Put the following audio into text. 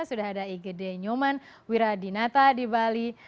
sudah ada igd nyoman wiradinata di bali